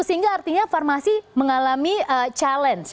sehingga artinya farmasi mengalami challenge